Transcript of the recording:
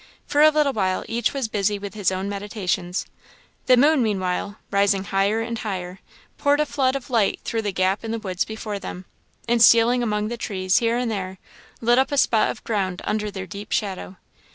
For a little while each was busy with his own meditations. The moon, meanwhile, rising higher and higher, poured a flood of light through the gap in the woods before them, and stealing among the trees, here and there, lit up a spot of ground under their deep shadow.